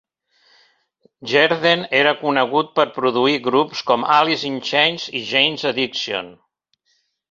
Jerden era conegut per produir grups com Alice in Chains i Jane's Addiction.